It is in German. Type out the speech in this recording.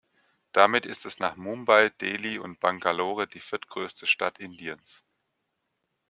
Damit ist es nach Mumbai, Delhi und Bangalore die viertgrößte Stadt Indiens.